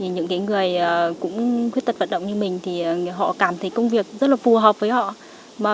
những người khuyết tật vận động như mình thì họ cảm thấy công việc rất là phù hợp với họ